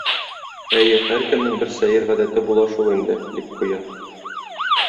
Әйе, һәркемнең бер сәер гадәте була шул инде, - дип куя.